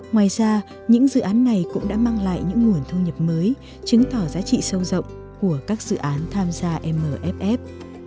ngoài ra những dự án này cũng đã mang lại những nguồn thu nhập mới chứng tỏ giá trị sâu rộng của các dự án tham gia mff